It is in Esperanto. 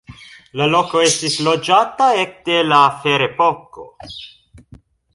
La loko estis loĝata ekde la ferepoko.